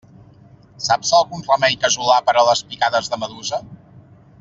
Saps algun remei casolà per a les picades de medusa?